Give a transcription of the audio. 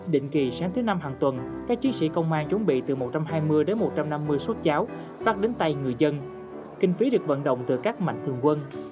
định kỳ sáng thứ năm hàng tuần các chiến sĩ công an chuẩn bị từ một trăm hai mươi đến một trăm năm mươi suất cháo phát đến tay người dân kinh phí được vận động từ các mạnh thường quân